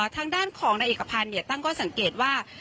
ทางด้านของนายเอกพันธ์ตั้งข้อสังเกตว่า